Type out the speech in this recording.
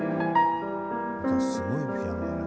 すごいピアノだね。